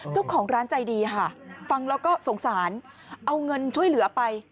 เจ้าของร้านใจดีค่ะฟังแล้วก็สงสารเอาเงินช่วยเหลือไป